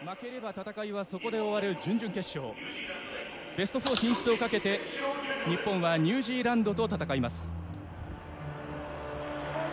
ベスト４進出をかけて日本はニュージーランドと戦います。